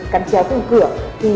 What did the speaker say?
cắn chéo vùng cửa thì